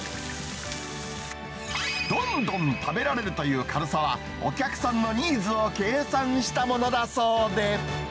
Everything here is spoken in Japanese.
どんどん食べられるという軽さは、お客さんのニーズを計算したものだそうで。